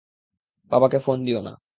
বাবাকে ফোন দিও না।